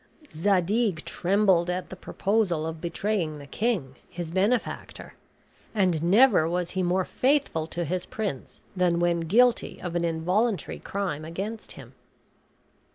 Zadig trembled at the proposal of betraying the king, his benefactor; and never was he more faithful to his prince than when guilty of an involuntary crime against him.